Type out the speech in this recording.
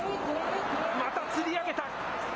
またつり上げた。